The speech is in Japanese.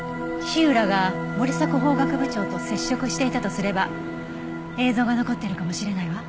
火浦が森迫法学部長と接触していたとすれば映像が残っているかもしれないわ。